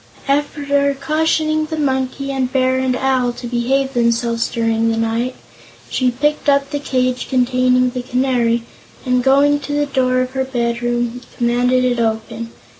After cautioning the Monkey and Bear and Owl to behave themselves during the night, she picked up the cage containing the Canary and, going to the door of her bedroom, commanded it to open.